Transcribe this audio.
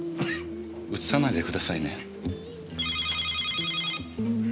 うつさないでくださいね。